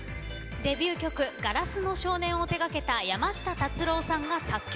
デビュー曲「硝子の少年」を手がけた山下達郎さんが作曲。